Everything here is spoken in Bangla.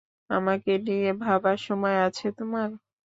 আমাকে নিয়ে ভাবার সময় আছে তোমার?